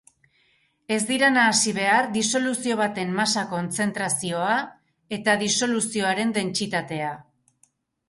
Ez dira nahasi behar disoluzio baten masa-kontzentrazioa eta disoluzioaren dentsitatea.